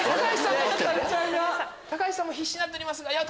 橋さんも必死になっておりますが。